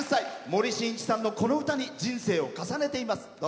森進一さんの、この歌に人生を重ねています。